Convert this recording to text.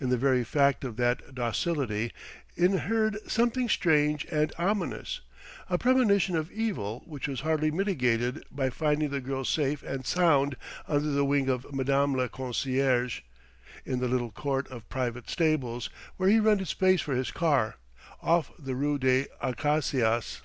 In the very fact of that docility inhered something strange and ominous, a premonition of evil which was hardly mitigated by finding the girl safe and sound under the wing of madame la concierge, in the little court of private stables, where he rented space for his car, off the rue des Acacias.